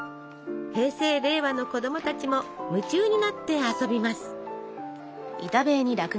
平成・令和の子供たちも夢中になって遊びます！